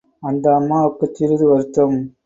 அந்த அம்மாவுக்கு சிறிது வருத்தம்.